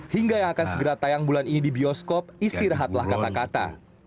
hingga yang akan segera tayang bulan ini di bioskop istirahatlah kata kata